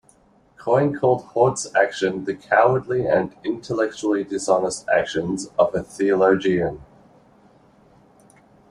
Coyne called Haught's action the "cowardly and intellectually dishonest actions of a theologian".